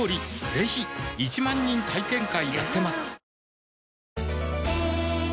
ぜひ１万人体験会やってますはぁ。